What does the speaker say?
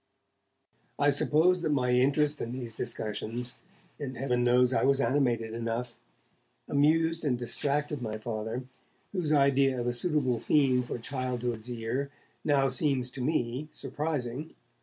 I suppose that my interest in these discussions and Heaven knows I was animated enough amused and distracted my Father, whose idea of a suitable theme for childhood's ear now seems to me surprising.